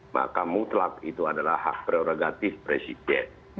maka mutlak itu adalah hak prerogatif presiden